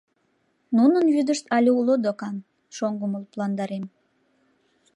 Нунын вӱдышт але уло докан, — шоҥгым лыпландарем.